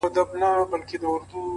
دغه زرين مخ;